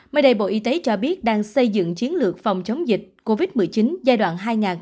mới đây bộ y tế cho biết đang xây dựng chiến lược phòng chống dịch covid một mươi chín giai đoạn hai nghìn hai mươi một hai nghìn ba mươi